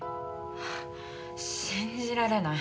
信じられない。